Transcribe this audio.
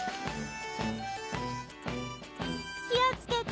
気をつけて。